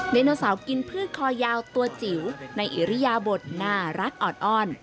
โนเสาร์กินพืชคอยาวตัวจิ๋วในอิริยาบทน่ารักออดอ้อน